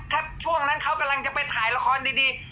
ถ้าช่วงนั้นเขากำลังจะไปถ่ายละครดี